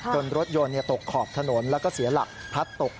รถยนต์ตกขอบถนนแล้วก็เสียหลักพัดตก